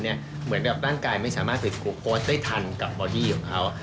เหมือนกับร่างกายไม่สามารถคลุกโฟสได้ทันกับบอดี้ของเขา